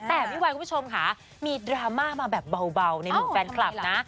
แต่ไม่ไหวคุณผู้ชมค่ะมีดราม่ามาแบบเบาในหมู่แฟนคลับนะ